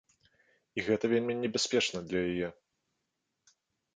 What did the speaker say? І гэта вельмі небяспечна для яе.